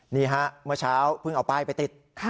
นี่ฮะเมื่อเช้าเพิ่งเอาป้ายไปติด